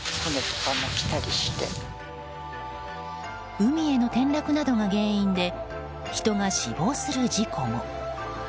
海への転落などが原因で人が死亡する事故も。